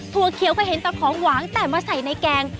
เขียวก็เห็นแต่ของหวานแต่มาใส่ในแกง